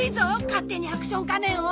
勝手にアクション仮面を！